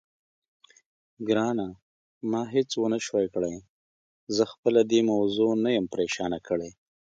ګرانه، ما هېڅ ونه شوای کړای، زه خپله دې موضوع نه یم پرېشانه کړې.